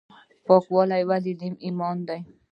پاکي ولې نیم ایمان دی؟